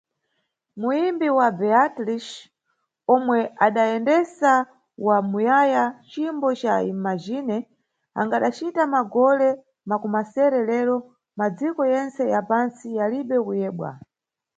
Muyimbi wa Beatles, omwe adayendesa wa muyaya cimbo ca "Imagine", angadacita magole makumasere lero, madziko yentse ya pantsi yalibe kuyebwa.